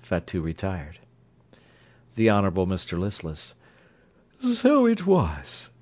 (Fatout retired.) THE HONOURABLE MR LISTLESS So it was.